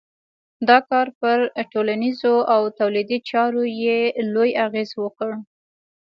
دا کار پر ټولنیزو او تولیدي چارو یې لوی اغېز وکړ.